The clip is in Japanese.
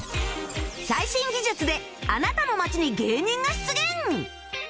最新技術であなたの街に芸人が出現！？